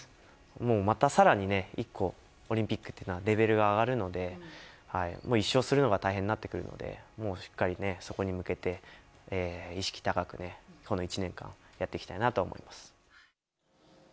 もう、またさらにね、１個、オリンピックっていうのは、レベルが上がるので、１勝するのが大変になってくるので、もうしっかりね、そこに向けて、意識高くね、この１年間、やっていきたいなとは思います。